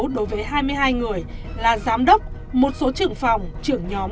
đối với hai mươi hai người là giám đốc một số trưởng phòng trưởng nhóm